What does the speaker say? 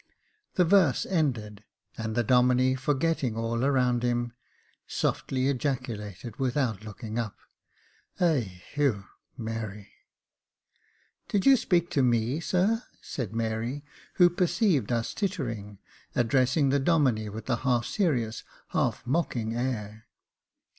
The verse ended, and the Domine forgetting all around him, softly ejaculated, with out looking up, " Eheu ! Mary." " Did you speak to me, sir ?" said Mary, who perceived us tittering, addressing the Domine with a half serious, half mocking air.